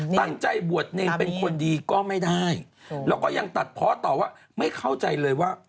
ตั้งใจบวชเนรเป็นคนดีก็ไม่ได้แล้วก็ยังตัดเพาะต่อว่าไม่เข้าใจเลยว่า